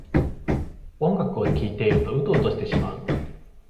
音楽を聴いているとウトウトしてしまう